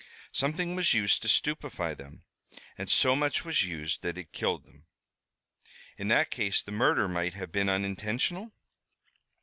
"Something was used to stupefy them, and so much was used that it killed them." "In that case the murder might have been unintentional?"